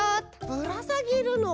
ぶらさげるのか。